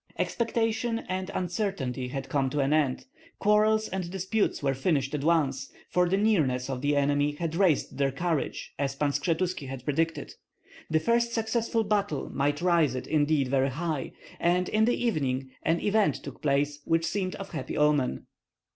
Expectation and uncertainty had come to an end, quarrels and disputes were finished at once, for the nearness of the enemy had raised their courage as Pan Skshetuski had predicted. The first successful battle might raise it indeed very high; and in the evening an event took place which seemed of happy omen.